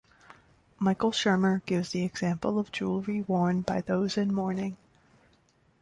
Michael Shermer gives the example of jewelry worn by those in mourning.